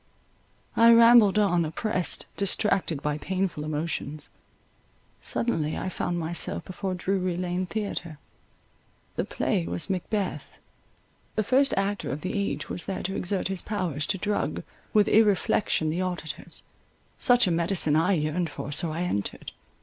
I rambled on, oppressed, distracted by painful emotions—suddenly I found myself before Drury Lane Theatre. The play was Macbeth—the first actor of the age was there to exert his powers to drug with irreflection the auditors; such a medicine I yearned for, so I entered.